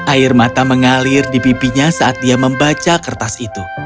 air mata mengalir di bibinya saat dia membaca kertas itu